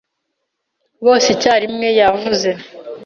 Bose icyarimwe, yavuze.